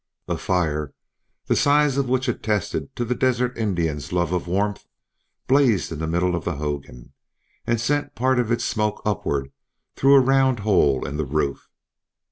A fire, the size of which attested the desert Indian's love of warmth, blazed in the middle of the hogan, and sent part of its smoke upward through a round hole in the roof.